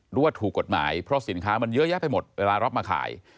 ว่าถูกกฎหมายเพราะสินค้ามันเยอะแยะไปหมดเวลารับมาขาย